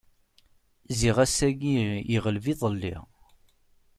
Ziɣ ass-ayi iɣleb iḍelli.